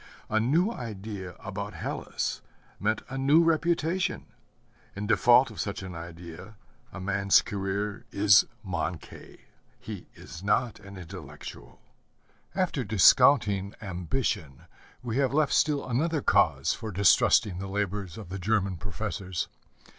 A new idea about Hellas meant a new reputation. In default of such an idea a man's career is manquée; he is not an intellectual. After discounting ambition, we have left still another cause for distrusting the labors of the German professors.